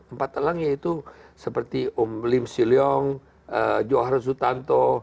empat elang yaitu seperti om lim silyong johar sudanto